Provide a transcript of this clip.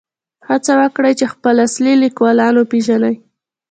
هڅه وکړئ چې خپل اصلي لیکوالان وپېژنئ.